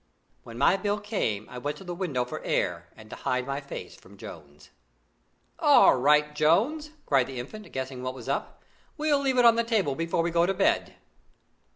When my bill came, I went to the window for air and to hide my face from Jones. "All right, Jones!" cried the Infant, guessing what was up. "We'll leave it on the table before we go to bed."